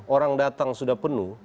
orang datang sudah penuh